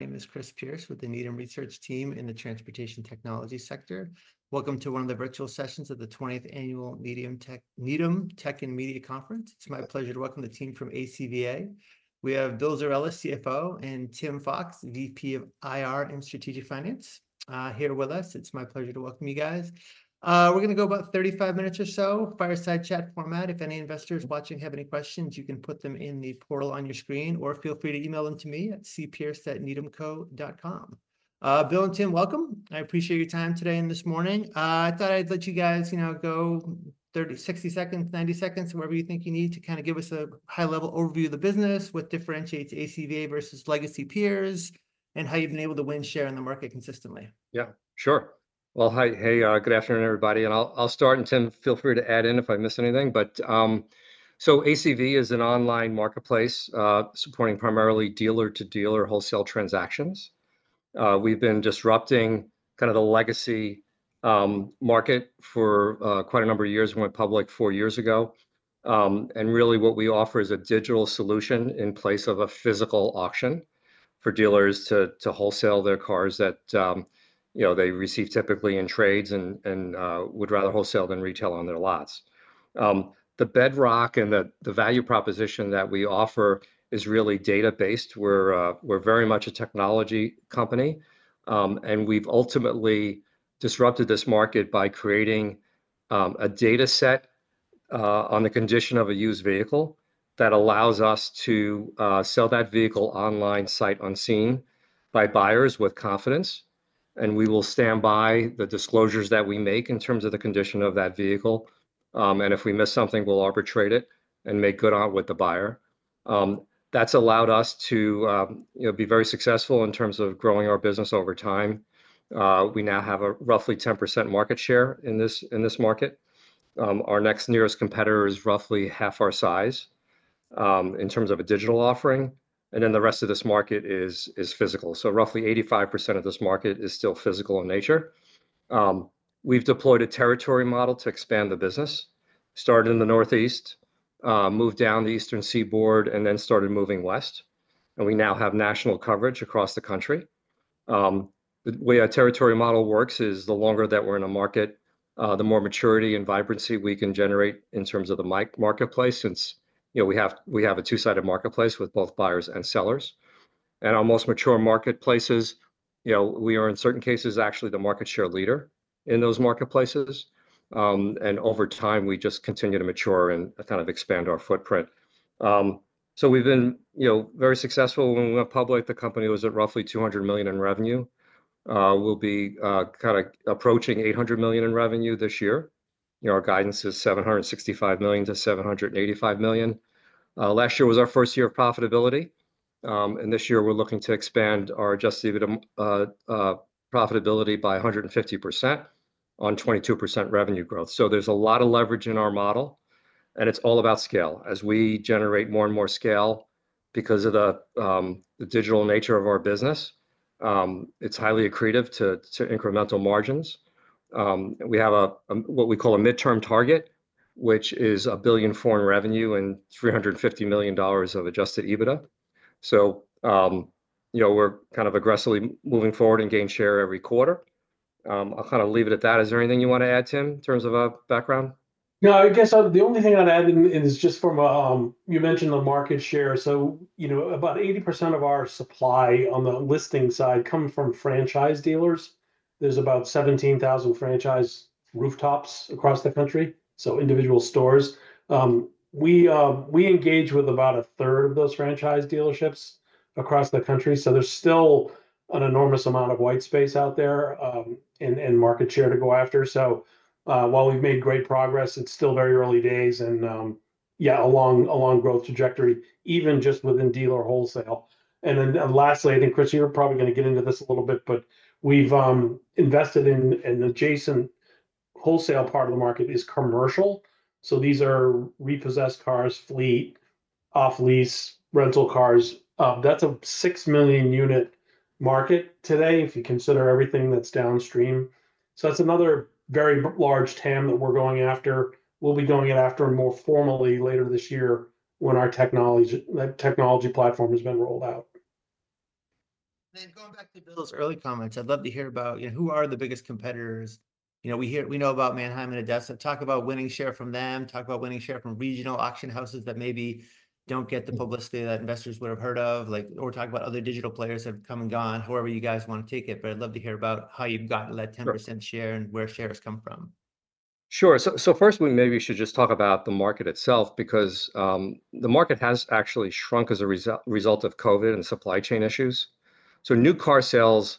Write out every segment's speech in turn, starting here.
My name is Chris Pierce with the Needham Research Team in the Transportation Technology sector. Welcome to one of the virtual sessions of the 20th Annual Needham Tech and Media Conference. It is my pleasure to welcome the team from ACVA. We have Bill Zerella, CFO, and Tim Fox, VP of IR and Strategic Finance, here with us. It is my pleasure to welcome you guys. We are going to go about 35 minutes or so, fireside chat format. If any investors watching have any questions, you can put them in the portal on your screen, or feel free to email them to me at cpierce@nedmco.com. Bill and Tim, welcome. I appreciate your time today and this morning. I thought I'd let you guys, you know, go 30, 60 seconds, 90 seconds, wherever you think you need to kind of give us a high-level overview of the business, what differentiates ACVA versus legacy peers, and how you've been able to win share in the market consistently. Yeah, sure. Hi, hey, good afternoon, everybody. I'll start, and Tim, feel free to add in if I miss anything. ACV is an online marketplace supporting primarily dealer-to-dealer wholesale transactions. We've been disrupting kind of the legacy market for quite a number of years. We went public four years ago. Really, what we offer is a digital solution in place of a physical auction for dealers to wholesale their cars that, you know, they receive typically in trades and would rather wholesale than retail on their lots. The bedrock and the value proposition that we offer is really data-based. We're very much a technology company. We've ultimately disrupted this market by creating a data set on the condition of a used vehicle that allows us to sell that vehicle online, sight unseen by buyers with confidence. We will stand by the disclosures that we make in terms of the condition of that vehicle. If we miss something, we will arbitrate it and make good on it with the buyer. That has allowed us to be very successful in terms of growing our business over time. We now have a roughly 10% market share in this market. Our next nearest competitor is roughly half our size in terms of a digital offering. The rest of this market is physical. Roughly 85% of this market is still physical in nature. We have deployed a territory model to expand the business, started in the Northeast, moved down the Eastern Seaboard, and then started moving west. We now have national coverage across the country. The way our territory model works is the longer that we're in a market, the more maturity and vibrancy we can generate in terms of the marketplace since, you know, we have a two-sided marketplace with both buyers and sellers. In our most mature marketplaces, you know, we are in certain cases actually the market share leader in those marketplaces. Over time, we just continue to mature and kind of expand our footprint. We've been, you know, very successful. When we went public, the company was at roughly $200 million in revenue. We'll be kind of approaching $800 million in revenue this year. You know, our guidance is $765 million-$785 million. Last year was our first year of profitability. This year, we're looking to expand our adjusted profitability by 150% on 22% revenue growth. There's a lot of leverage in our model. It is all about scale. As we generate more and more scale because of the digital nature of our business, it is highly accretive to incremental margins. We have what we call a midterm target, which is $1 billion in revenue and $350 million of adjusted EBITDA. You know, we are kind of aggressively moving forward and gaining share every quarter. I will kind of leave it at that. Is there anything you want to add, Tim, in terms of background? No, I guess the only thing I'd add in is just from a, you mentioned the market share. So, you know, about 80% of our supply on the listing side comes from franchise dealers. There's about 17,000 franchise rooftops across the country, so individual stores. We engage with about a third of those franchise dealerships across the country. So there's still an enormous amount of white space out there and market share to go after. While we've made great progress, it's still very early days and, yeah, a long growth trajectory, even just within dealer wholesale. Lastly, I think, Chris, you're probably going to get into this a little bit, but we've invested in an adjacent wholesale part of the market, which is commercial. These are repossessed cars, fleet, off-lease, rental cars. That's a 6 million unit market today if you consider everything that's downstream. That's another very large TAM that we're going after. We'll be going after more formally later this year when our technology platform has been rolled out. Going back to Bill's early comments, I'd love to hear about, you know, who are the biggest competitors? You know, we hear, we know about Manheim and ADESA. Talk about winning share from them. Talk about winning share from regional auction houses that maybe don't get the publicity that investors would have heard of. Like, or talk about other digital players that have come and gone, however you guys want to take it. I'd love to hear about how you've gotten that 10% share and where shares come from. Sure. First, we maybe should just talk about the market itself because the market has actually shrunk as a result of COVID and supply chain issues. New car sales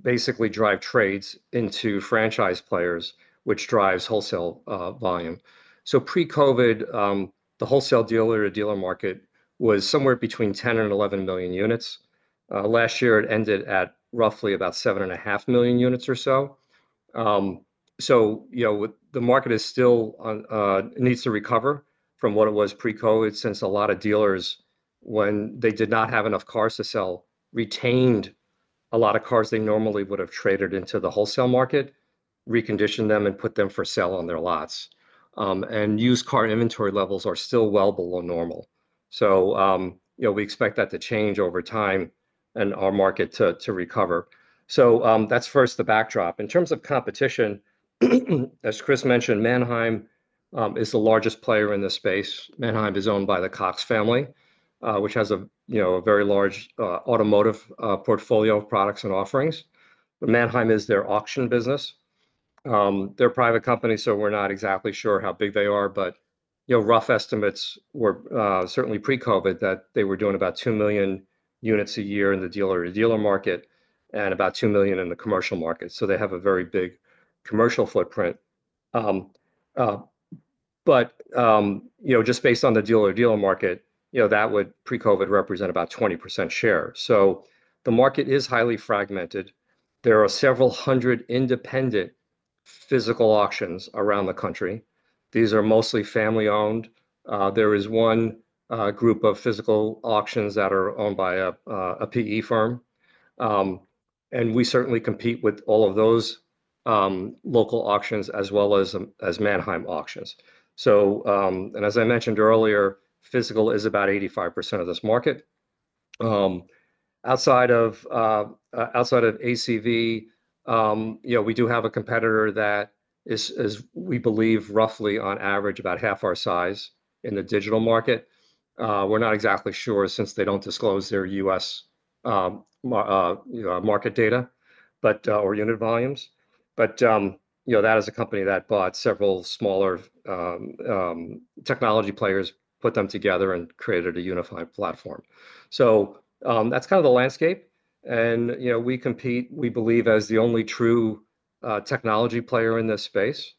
basically drive trades into franchise players, which drives wholesale volume. Pre-COVID, the wholesale dealer-to-dealer market was somewhere between 10 and 11 million units. Last year, it ended at roughly about 7.5 million units or so. You know, the market still needs to recover from what it was pre-COVID since a lot of dealers, when they did not have enough cars to sell, retained a lot of cars they normally would have traded into the wholesale market, reconditioned them, and put them for sale on their lots. Used car inventory levels are still well below normal. You know, we expect that to change over time and our market to recover. That is first the backdrop. In terms of competition, as Chris mentioned, Manheim is the largest player in the space. Manheim is owned by the Cox family, which has a, you know, a very large automotive portfolio of products and offerings. Manheim is their auction business. They're a private company, so we're not exactly sure how big they are, but, you know, rough estimates were certainly pre-COVID that they were doing about 2 million units a year in the dealer-to-dealer market and about 2 million in the commercial market. They have a very big commercial footprint. You know, just based on the dealer-to-dealer market, you know, that would pre-COVID represent about 20% share. The market is highly fragmented. There are several hundred independent physical auctions around the country. These are mostly family-owned. There is one group of physical auctions that are owned by a PE firm. We certainly compete with all of those local auctions as well as Manheim auctions. As I mentioned earlier, physical is about 85% of this market. Outside of ACV, you know, we do have a competitor that is, we believe, roughly on average about half our size in the digital market. We're not exactly sure since they don't disclose their U.S. market data or unit volumes. You know, that is a company that bought several smaller technology players, put them together, and created a unified platform. That's kind of the landscape. You know, we compete, we believe, as the only true technology player in this space.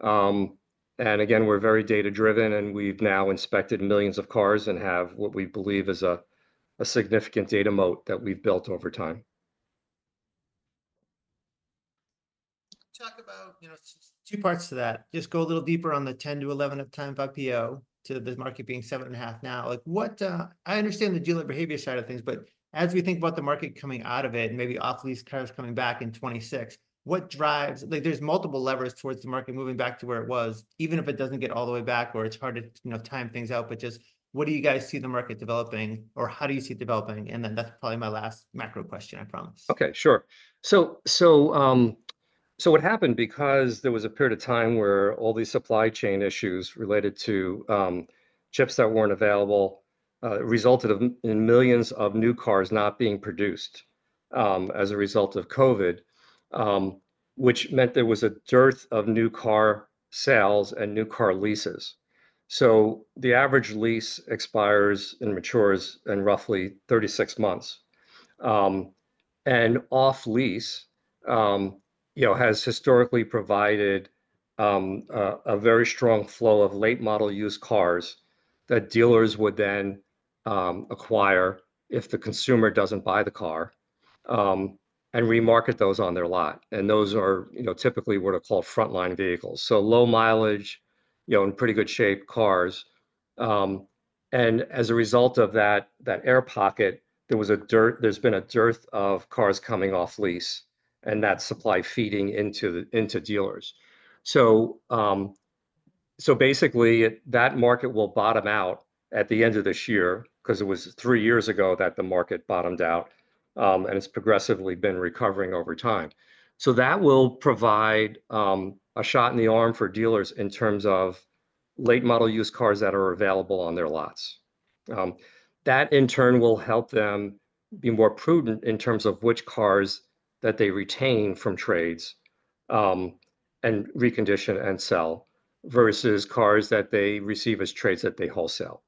Again, we're very data-driven, and we've now inspected millions of cars and have what we believe is a significant data moat that we've built over time. Talk about, you know, two parts to that. Just go a little deeper on the 10-11 of time by PO to the market being 7.5 now. Like, I understand the dealer behavior side of things, but as we think about the market coming out of it and maybe off-lease cars coming back in 2026, what drives, like, there's multiple levers towards the market moving back to where it was, even if it doesn't get all the way back or it's hard to, you know, time things out, but just what do you guys see the market developing or how do you see it developing? And then that's probably my last macro question, I promise. Okay, sure. So what happened because there was a period of time where all these supply chain issues related to chips that were not available resulted in millions of new cars not being produced as a result of COVID, which meant there was a dearth of new car sales and new car leases. The average lease expires and matures in roughly 36 months. Off-lease, you know, has historically provided a very strong flow of late-model used cars that dealers would then acquire if the consumer does not buy the car and remarket those on their lot. Those are, you know, typically what are called frontline vehicles. Low mileage, you know, in pretty good shape cars. As a result of that, that air pocket, there was a dearth, there has been a dearth of cars coming off-lease and that supply feeding into dealers. Basically, that market will bottom out at the end of this year because it was three years ago that the market bottomed out, and it's progressively been recovering over time. That will provide a shot in the arm for dealers in terms of late-model used cars that are available on their lots. That in turn will help them be more prudent in terms of which cars that they retain from trades and recondition and sell versus cars that they receive as trades that they wholesale.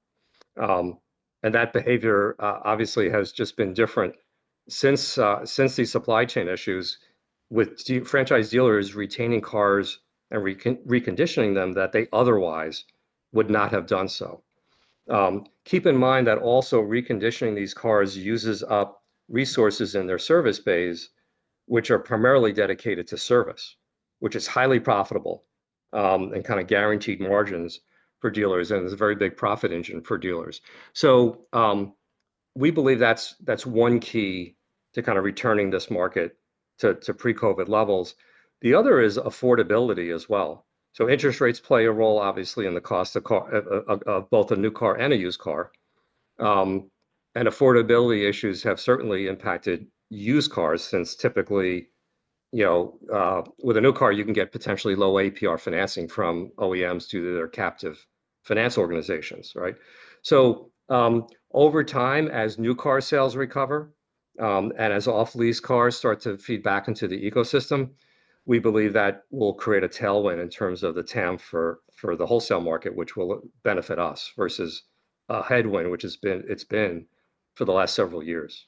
That behavior obviously has just been different since these supply chain issues with franchise dealers retaining cars and reconditioning them that they otherwise would not have done so. Keep in mind that also reconditioning these cars uses up resources in their service bays, which are primarily dedicated to service, which is highly profitable and kind of guaranteed margins for dealers and is a very big profit engine for dealers. We believe that's one key to kind of returning this market to pre-COVID levels. The other is affordability as well. Interest rates play a role, obviously, in the cost of both a new car and a used car. Affordability issues have certainly impacted used cars since typically, you know, with a new car, you can get potentially low APR financing from OEMs due to their captive finance organizations, right? Over time, as new car sales recover and as off-lease cars start to feed back into the ecosystem, we believe that will create a tailwind in terms of the TAM for the wholesale market, which will benefit us versus a headwind, which it's been for the last several years.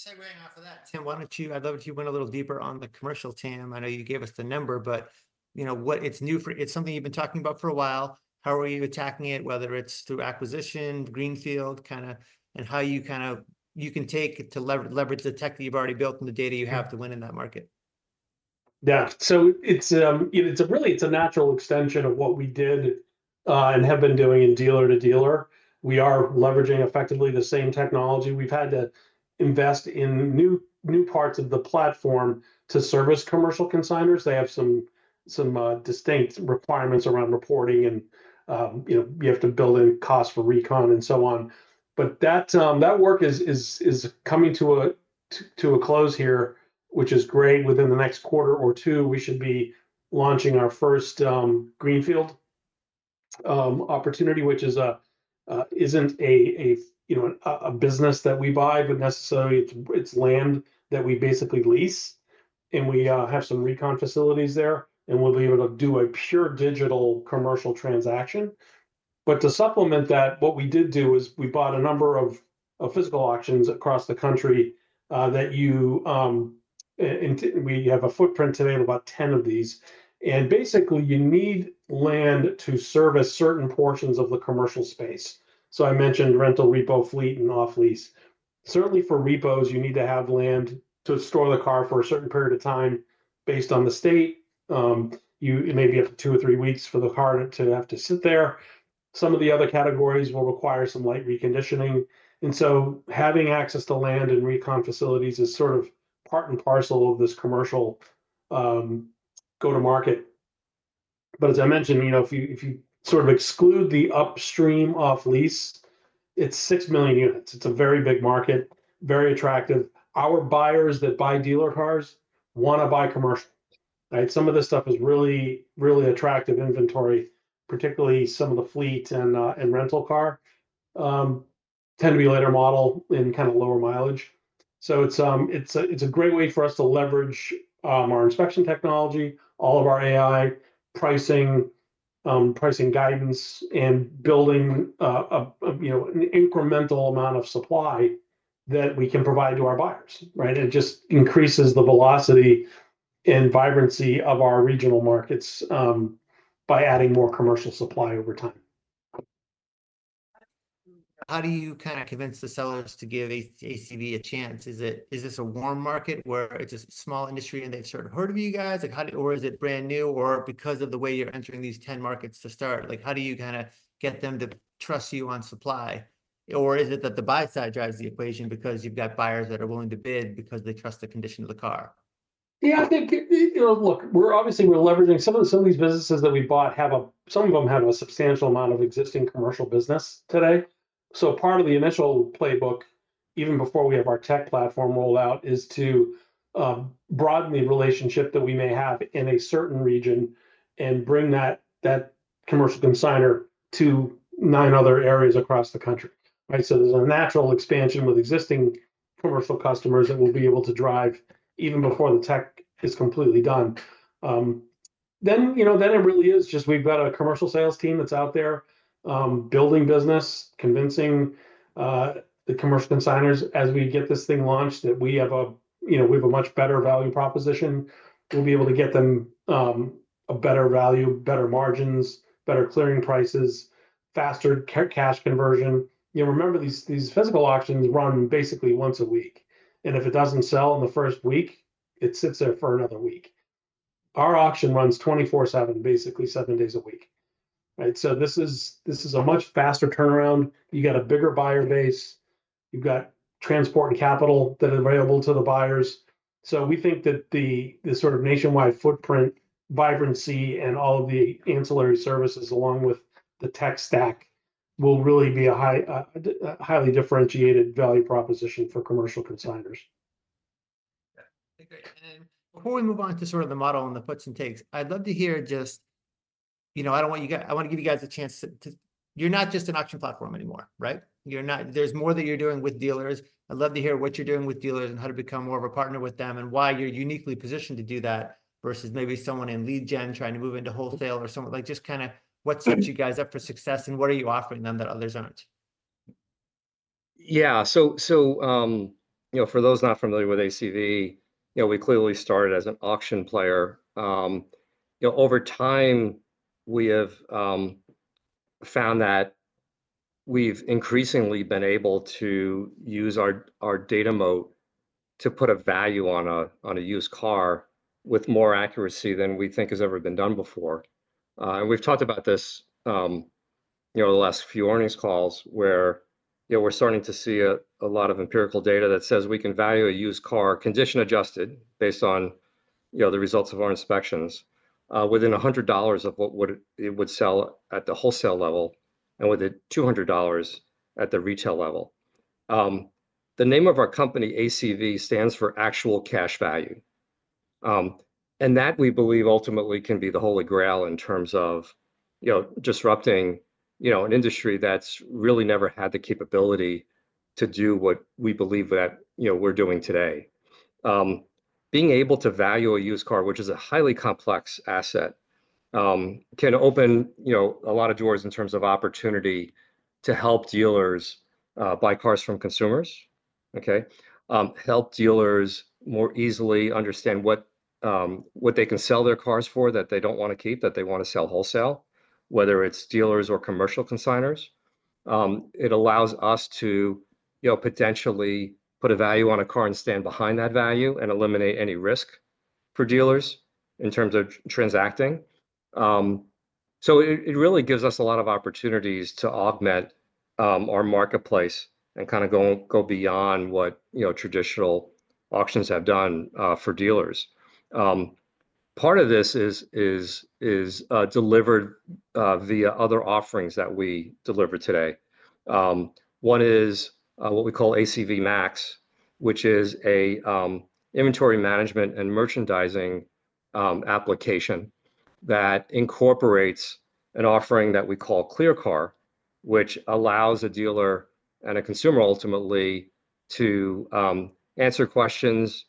Say, great, enough for that. Tim, why don't you, I'd love if you went a little deeper on the commercial TAM. I know you gave us the number, but, you know, what it's new for, it's something you've been talking about for a while. How are you attacking it, whether it's through acquisition, greenfield, kind of, and how you kind of, you can take to leverage the tech that you've already built and the data you have to win in that market? Yeah. So it's really, it's a natural extension of what we did and have been doing in dealer to dealer. We are leveraging effectively the same technology. We've had to invest in new parts of the platform to service commercial consignors. They have some distinct requirements around reporting and, you know, you have to build in costs for recon and so on. That work is coming to a close here, which is great. Within the next quarter or two, we should be launching our first greenfield opportunity, which isn't a, you know, a business that we buy, but necessarily it's land that we basically lease. We have some recon facilities there, and we'll be able to do a pure digital commercial transaction. To supplement that, what we did do is we bought a number of physical auctions across the country that you, we have a footprint today of about 10 of these. Basically, you need land to service certain portions of the commercial space. I mentioned rental, repo, fleet, and off-lease. Certainly for repos, you need to have land to store the car for a certain period of time based on the state. You may be up to two or three weeks for the car to have to sit there. Some of the other categories will require some light reconditioning. Having access to land and recon facilities is sort of part and parcel of this commercial go-to-market. As I mentioned, you know, if you sort of exclude the upstream off-lease, it is 6 million units. It is a very big market, very attractive. Our buyers that buy dealer cars want to buy commercial, right? Some of this stuff is really, really attractive inventory, particularly some of the fleet and rental car tend to be later model in kind of lower mileage. It is a great way for us to leverage our inspection technology, all of our AI pricing, pricing guidance, and building, you know, an incremental amount of supply that we can provide to our buyers, right? It just increases the velocity and vibrancy of our regional markets by adding more commercial supply over time. How do you kind of convince the sellers to give ACV a chance? Is this a warm market where it's a small industry and they've sort of heard of you guys? Is it brand new? Because of the way you're entering these 10 markets to start, how do you kind of get them to trust you on supply? Is it that the buy side drives the equation because you've got buyers that are willing to bid because they trust the condition of the car? Yeah, I think, you know, look, we're obviously, we're leveraging some of these businesses that we bought have a, some of them have a substantial amount of existing commercial business today. Part of the initial playbook, even before we have our tech platform rolled out, is to broaden the relationship that we may have in a certain region and bring that commercial consignor to nine other areas across the country, right? There's a natural expansion with existing commercial customers that we'll be able to drive even before the tech is completely done. You know, it really is just we've got a commercial sales team that's out there building business, convincing the commercial consignors as we get this thing launched that we have a, you know, we have a much better value proposition. We'll be able to get them a better value, better margins, better clearing prices, faster cash conversion. You know, remember these physical auctions run basically once a week. If it doesn't sell in the first week, it sits there for another week. Our auction runs 24/7, basically seven days a week, right? This is a much faster turnaround. You got a bigger buyer base. You've got transport and capital that are available to the buyers. We think that the sort of nationwide footprint, vibrancy, and all of the ancillary services along with the tech stack will really be a highly differentiated value proposition for commercial consignors. Okay. And then before we move on to sort of the model and the puts and takes, I'd love to hear just, you know, I don't want you guys, I want to give you guys a chance to, you're not just an auction platform anymore, right? You're not, there's more that you're doing with dealers. I'd love to hear what you're doing with dealers and how to become more of a partner with them and why you're uniquely positioned to do that versus maybe someone in lead gen trying to move into wholesale or something like just kind of what sets you guys up for success and what are you offering them that others aren't? Yeah. So, you know, for those not familiar with ACV, you know, we clearly started as an auction player. You know, over time, we have found that we've increasingly been able to use our data moat to put a value on a used car with more accuracy than we think has ever been done before. And we've talked about this, you know, the last few earnings calls where, you know, we're starting to see a lot of empirical data that says we can value a used car condition adjusted based on, you know, the results of our inspections within $100 of what it would sell at the wholesale level and within $200 at the retail level. The name of our company, ACV, stands for actual cash value. We believe ultimately this can be the holy grail in terms of, you know, disrupting, you know, an industry that's really never had the capability to do what we believe that, you know, we're doing today. Being able to value a used car, which is a highly complex asset, can open, you know, a lot of doors in terms of opportunity to help dealers buy cars from consumers, okay? Help dealers more easily understand what they can sell their cars for that they do not want to keep, that they want to sell wholesale, whether it is dealers or commercial consignors. It allows us to, you know, potentially put a value on a car and stand behind that value and eliminate any risk for dealers in terms of transacting. It really gives us a lot of opportunities to augment our marketplace and kind of go beyond what, you know, traditional auctions have done for dealers. Part of this is delivered via other offerings that we deliver today. One is what we call ACV MAX, which is an inventory management and merchandising application that incorporates an offering that we call ClearCar, which allows a dealer and a consumer ultimately to answer questions,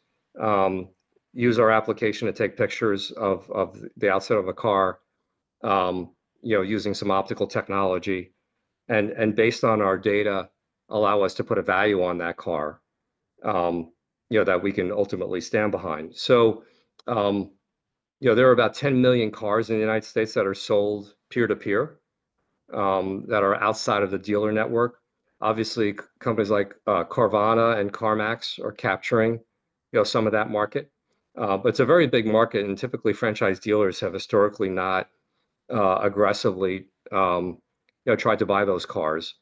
use our application to take pictures of the outside of a car, you know, using some optical technology, and based on our data, allow us to put a value on that car, you know, that we can ultimately stand behind. You know, there are about 10 million cars in the United States that are sold peer-to-peer that are outside of the dealer network. Obviously, companies like Carvana and CarMax are capturing, you know, some of that market. It is a very big market, and typically franchise dealers have historically not aggressively, you know, tried to buy those cars.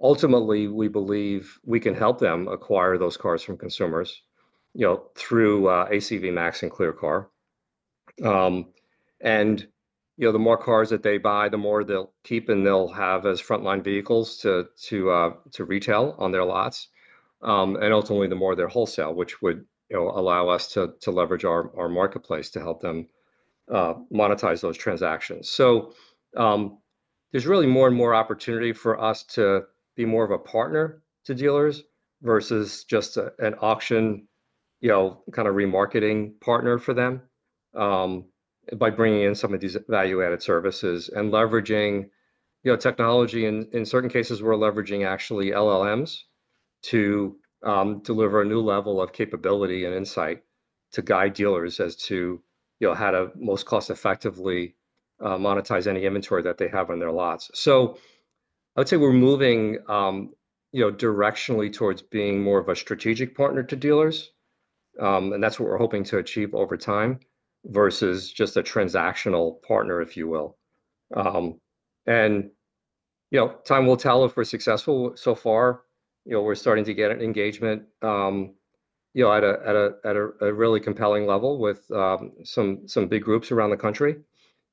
Ultimately, we believe we can help them acquire those cars from consumers, you know, through ACV MAX and ClearCar. You know, the more cars that they buy, the more they'll keep and they'll have as frontline vehicles to retail on their lots. Ultimately, the more they'll wholesale, which would, you know, allow us to leverage our marketplace to help them monetize those transactions. There is really more and more opportunity for us to be more of a partner to dealers versus just an auction, you know, kind of remarketing partner for them by bringing in some of these value-added services and leveraging, you know, technology. In certain cases, we're leveraging actually LLMs to deliver a new level of capability and insight to guide dealers as to, you know, how to most cost-effectively monetize any inventory that they have on their lots. I would say we're moving, you know, directionally towards being more of a strategic partner to dealers. That's what we're hoping to achieve over time versus just a transactional partner, if you will. You know, time will tell if we're successful. So far, you know, we're starting to get an engagement, you know, at a really compelling level with some big groups around the country,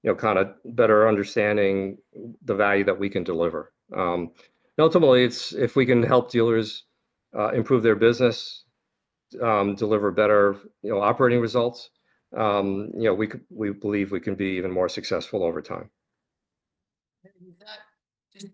you know, kind of better understanding the value that we can deliver. Ultimately, it's if we can help dealers improve their business, deliver better, you know, operating results, you know, we believe we can be even more successful over time.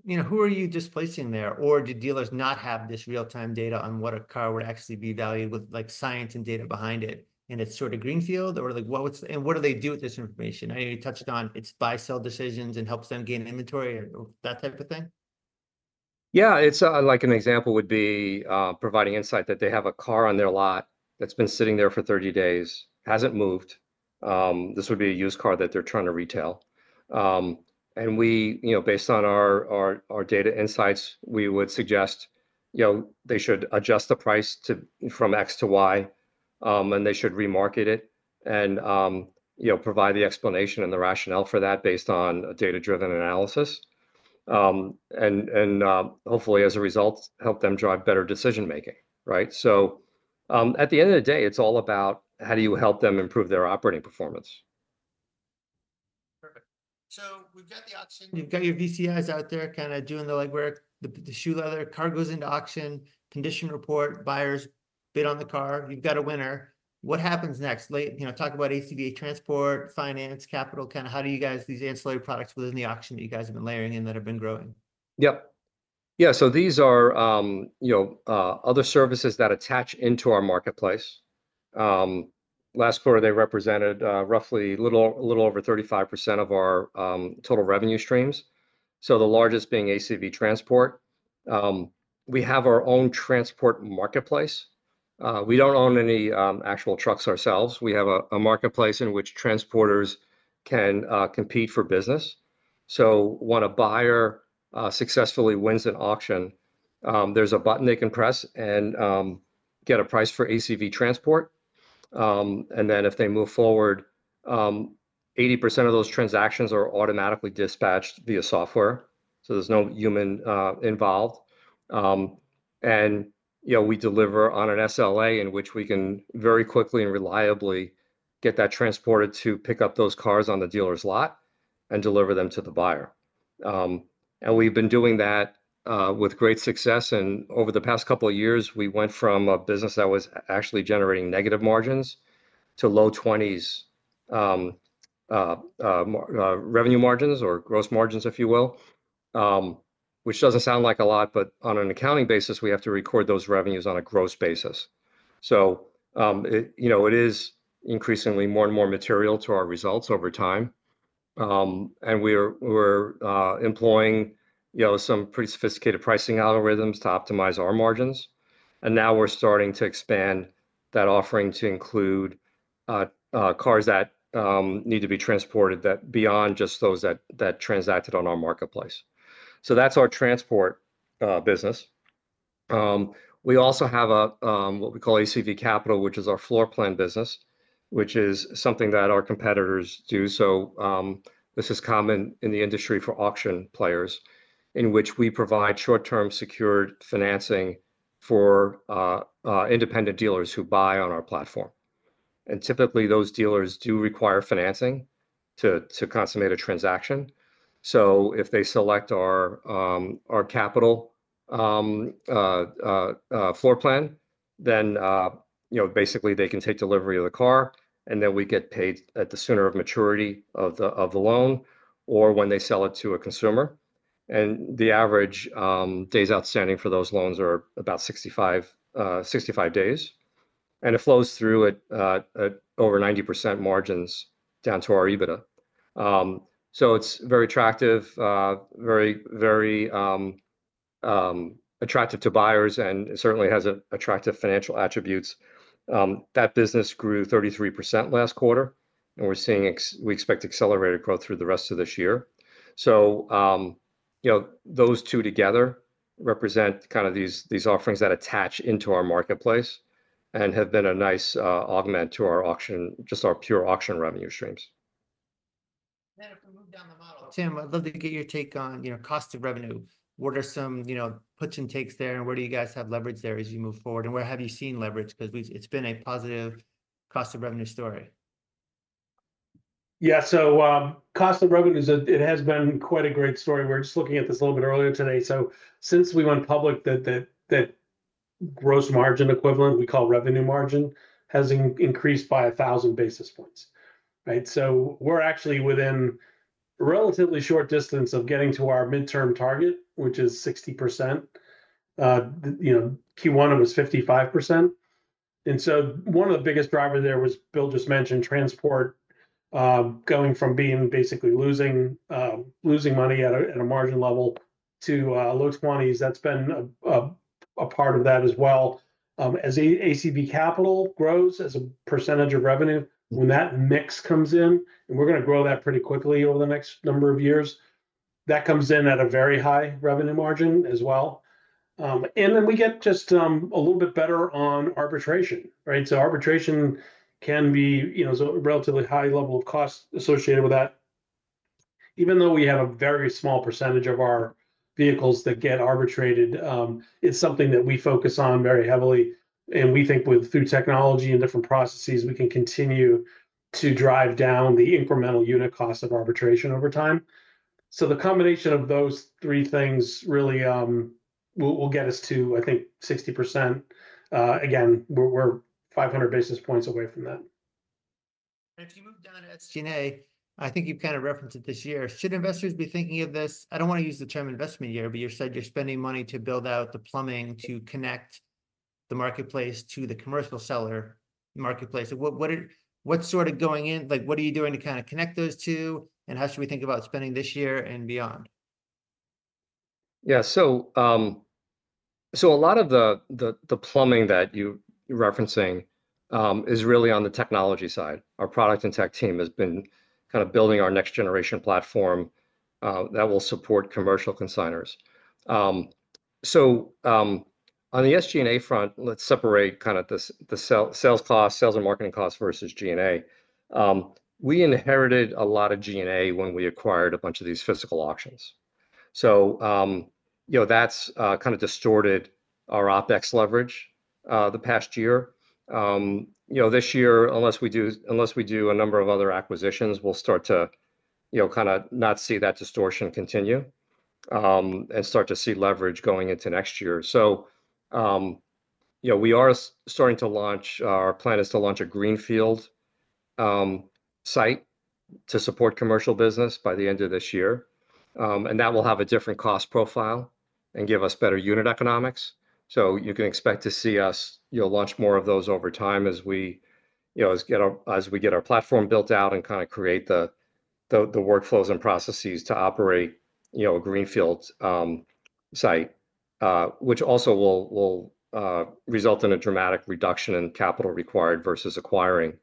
You know, who are you displacing there? Or do dealers not have this real-time data on what a car would actually be valued with like science and data behind it? It's sort of greenfield or like, what's and what do they do with this information? I know you touched on it's buy-sell decisions and helps them gain inventory or that type of thing. Yeah, it's like an example would be providing insight that they have a car on their lot that's been sitting there for 30 days, hasn't moved. This would be a used car that they're trying to retail. And we, you know, based on our data insights, we would suggest, you know, they should adjust the price from X to Y, and they should remarket it and, you know, provide the explanation and the rationale for that based on a data-driven analysis. And hopefully, as a result, help them drive better decision-making, right? At the end of the day, it's all about how do you help them improve their operating performance. Perfect. So we've got the auction, you've got your VCIs out there kind of doing the legwork, the shoe leather, car goes into auction, condition report, buyers bid on the car, you've got a winner. What happens next? You know, talk about ACV Transport, finance, capital, kind of how do you guys these ancillary products within the auction that you guys have been layering in that have been growing? Yep. Yeah. So these are, you know, other services that attach into our marketplace. Last quarter, they represented roughly a little over 35% of our total revenue streams. The largest being ACV Transport. We have our own transport marketplace. We do not own any actual trucks ourselves. We have a marketplace in which transporters can compete for business. When a buyer successfully wins an auction, there is a button they can press and get a price for ACV Transport. If they move forward, 80% of those transactions are automatically dispatched via software. There is no human involved. You know, we deliver on an SLA in which we can very quickly and reliably get that transporter to pick up those cars on the dealer's lot and deliver them to the buyer. We have been doing that with great success. Over the past couple of years, we went from a business that was actually generating negative margins to low 20s revenue margins or gross margins, if you will, which does not sound like a lot, but on an accounting basis, we have to record those revenues on a gross basis. You know, it is increasingly more and more material to our results over time. We are employing, you know, some pretty sophisticated pricing algorithms to optimize our margins. Now we are starting to expand that offering to include cars that need to be transported beyond just those that transacted on our marketplace. That is our transport business. We also have what we call ACV Capital, which is our floor plan business, which is something that our competitors do. This is common in the industry for auction players in which we provide short-term secured financing for independent dealers who buy on our platform. Typically, those dealers do require financing to consummate a transaction. If they select our capital floor plan, then, you know, basically they can take delivery of the car and then we get paid at the sooner of maturity of the loan or when they sell it to a consumer. The average days outstanding for those loans are about 65 days. It flows through at over 90% margins down to our EBITDA. It is very attractive, very attractive to buyers and certainly has attractive financial attributes. That business grew 33% last quarter. We expect accelerated growth through the rest of this year. You know, those two together represent kind of these offerings that attach into our marketplace and have been a nice augment to our auction, just our pure auction revenue streams. Tim, I'd love to get your take on, you know, cost of revenue. What are some, you know, puts and takes there and where do you guys have leverage there as you move forward? Where have you seen leverage? Because it's been a positive cost of revenue story. Yeah. So cost of revenue, it has been quite a great story. We're just looking at this a little bit earlier today. Since we went public, that gross margin equivalent, we call revenue margin, has increased by 1,000 basis points, right? We're actually within a relatively short distance of getting to our midterm target, which is 60%. You know, Q1, it was 55%. One of the biggest drivers there was Bill just mentioned transport going from being basically losing money at a margin level to low 20s. That's been a part of that as well. As ACV Capital grows as a percentage of revenue, when that mix comes in, and we're going to grow that pretty quickly over the next number of years, that comes in at a very high revenue margin as well. Then we get just a little bit better on arbitration, right? Arbitration can be, you know, a relatively high level of cost associated with that. Even though we have a very small percentage of our vehicles that get arbitrated, it's something that we focus on very heavily. We think through technology and different processes, we can continue to drive down the incremental unit cost of arbitration over time. The combination of those three things really will get us to, I think, 60%. Again, we're 500 basis points away from that. If you move down to SG&A, I think you've kind of referenced it this year. Should investors be thinking of this? I don't want to use the term investment year, but you said you're spending money to build out the plumbing to connect the marketplace to the commercial seller marketplace. What sort of going in, like what are you doing to kind of connect those two? And how should we think about spending this year and beyond? Yeah. So a lot of the plumbing that you're referencing is really on the technology side. Our product and tech team has been kind of building our next generation platform that will support commercial consignors. So on the SG&A front, let's separate kind of the sales cost, sales and marketing cost versus G&A. We inherited a lot of G&A when we acquired a bunch of these physical auctions. So, you know, that's kind of distorted our OpEx leverage the past year. You know, this year, unless we do a number of other acquisitions, we'll start to, you know, kind of not see that distortion continue and start to see leverage going into next year. So, you know, we are starting to launch, our plan is to launch a greenfield site to support commercial business by the end of this year. That will have a different cost profile and give us better unit economics. You can expect to see us, you know, launch more of those over time as we, you know, as we get our platform built out and kind of create the workflows and processes to operate, you know, a greenfield site, which also will result in a dramatic reduction in capital required versus acquiring,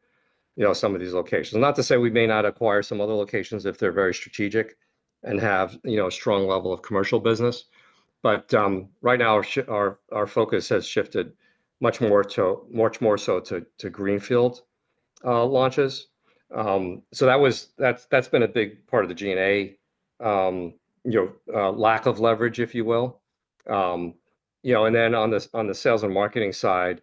you know, some of these locations. Not to say we may not acquire some other locations if they're very strategic and have, you know, a strong level of commercial business. Right now, our focus has shifted much more so to greenfield launches. That has been a big part of the G&A, you know, lack of leverage, if you will. You know, and then on the sales and marketing side,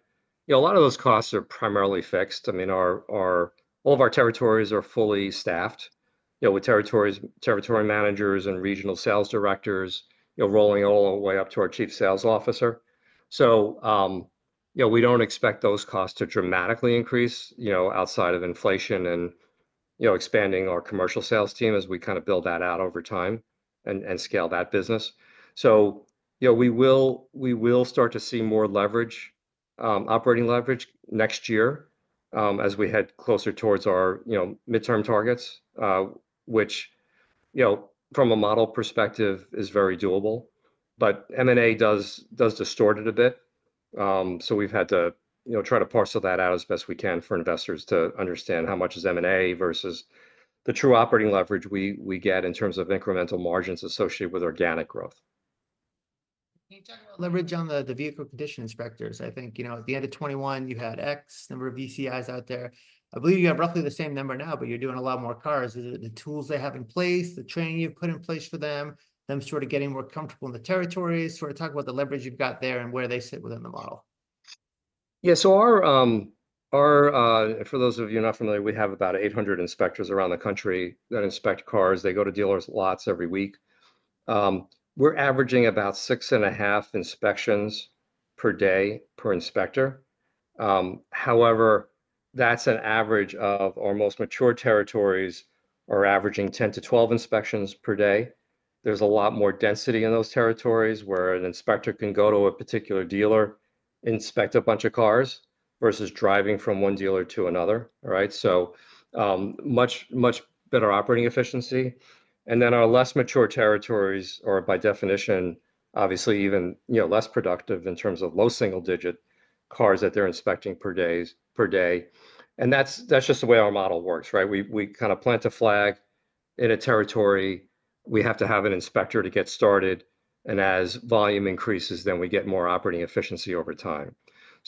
a lot of those costs are primarily fixed. I mean, all of our territories are fully staffed, you know, with territory managers and regional sales directors, you know, rolling all the way up to our Chief Sales Officer. So, you know, we do not expect those costs to dramatically increase, you know, outside of inflation and, you know, expanding our commercial sales team as we kind of build that out over time and scale that business. So, you know, we will start to see more leverage, operating leverage next year as we head closer towards our, you know, midterm targets, which, you know, from a model perspective is very doable. But M&A does distort it a bit. So we have had to, you know, try to parcel that out as best we can for investors to understand how much is M&A versus the true operating leverage we get in terms of incremental margins associated with organic growth. Can you talk about leverage on the vehicle condition inspectors? I think, you know, at the end of 2021, you had X number of VCIs out there. I believe you have roughly the same number now, but you're doing a lot more cars. Is it the tools they have in place, the training you've put in place for them, them sort of getting more comfortable in the territories? Sort of talk about the leverage you've got there and where they sit within the model. Yeah. So for those of you not familiar, we have about 800 inspectors around the country that inspect cars. They go to dealers' lots every week. We're averaging about six and a half inspections per day per inspector. However, that's an average. Our most mature territories are averaging 10-12 inspections per day. There's a lot more density in those territories where an inspector can go to a particular dealer, inspect a bunch of cars versus driving from one dealer to another, right? Much better operating efficiency. Our less mature territories are, by definition, obviously even, you know, less productive in terms of low single digit cars that they're inspecting per day. That's just the way our model works, right? We kind of plant a flag in a territory. We have to have an inspector to get started. As volume increases, then we get more operating efficiency over time.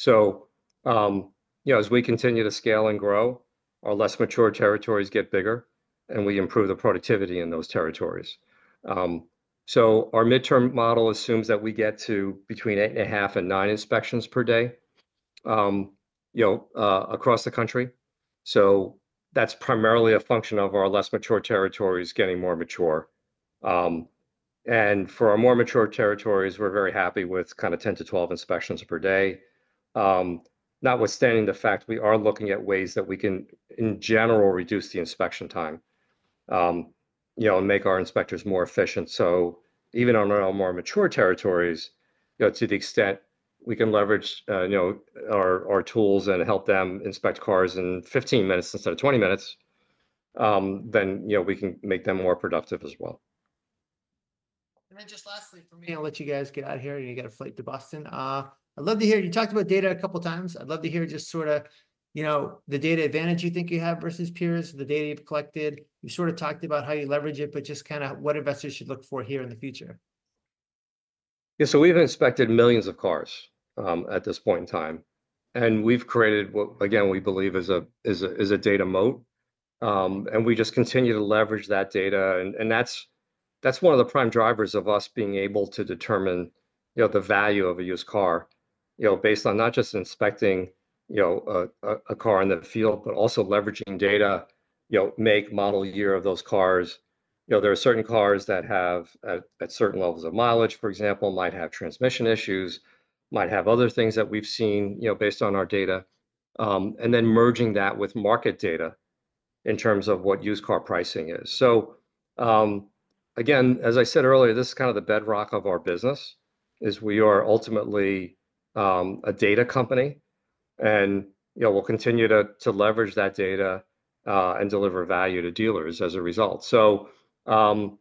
You know, as we continue to scale and grow, our less mature territories get bigger and we improve the productivity in those territories. Our midterm model assumes that we get to between eight and a half and nine inspections per day, you know, across the country. That is primarily a function of our less mature territories getting more mature. For our more mature territories, we are very happy with kind of 10-12 inspections per day. Notwithstanding the fact we are looking at ways that we can, in general, reduce the inspection time, you know, and make our inspectors more efficient. Even on our more mature territories, you know, to the extent we can leverage, you know, our tools and help them inspect cars in 15 minutes instead of 20 minutes, then, you know, we can make them more productive as well. Just lastly, let you guys get out of here and you got a flight to Boston. I'd love to hear, you talked about data a couple of times. I'd love to hear just sort of, you know, the data advantage you think you have versus peers, the data you've collected. You sort of talked about how you leverage it, but just kind of what investors should look for here in the future. Yeah. So we've inspected millions of cars at this point in time. And we've created what, again, we believe is a data moat. We just continue to leverage that data. That's one of the prime drivers of us being able to determine, you know, the value of a used car, you know, based on not just inspecting, you know, a car in the field, but also leveraging data, you know, make, model, year of those cars. You know, there are certain cars that have at certain levels of mileage, for example, might have transmission issues, might have other things that we've seen, you know, based on our data. Then merging that with market data in terms of what used car pricing is. Again, as I said earlier, this is kind of the bedrock of our business. We are ultimately a data company. You know, we'll continue to leverage that data and deliver value to dealers as a result. You know,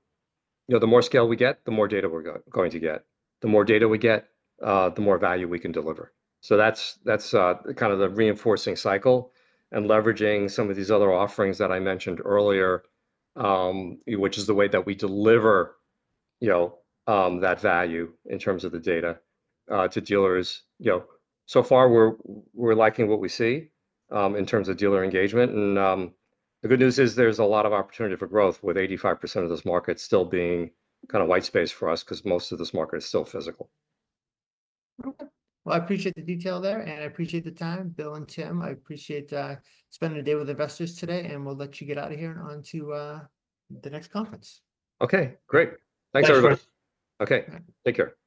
the more scale we get, the more data we're going to get. The more data we get, the more value we can deliver. That's kind of the reinforcing cycle and leveraging some of these other offerings that I mentioned earlier, which is the way that we deliver, you know, that value in terms of the data to dealers. You know, so far we're liking what we see in terms of dealer engagement. The good news is there's a lot of opportunity for growth with 85% of this market still being kind of white space for us because most of this market is still physical. I appreciate the detail there. I appreciate the time, Bill and Tim. I appreciate spending a day with investors today. We'll let you get out of here and on to the next conference. Okay. Great. Thanks, everyone. Okay. Take care. Bye.